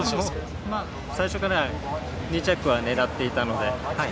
最初から２着は狙っていたので。